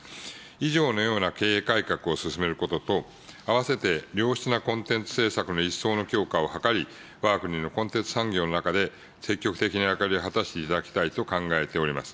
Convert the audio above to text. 以上のような経営改革を進めることと、合わせて良質なコンテンツ制作の一層の強化を図り、わが国のコンテンツ産業の中で積極的な役割を果たしていただきたいと考えております。